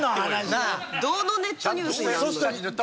どのネットニュースになるの？